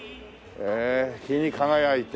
へえ日に輝いて。